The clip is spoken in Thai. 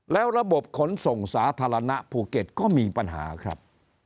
แล้วระบบขนส่งสาธารณะภูเก็ตก็มีปัญหาครับ